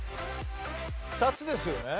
２つですよね？